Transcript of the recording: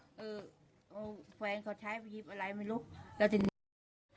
แฟนเค้าใช้พิษอะไรไม่รู้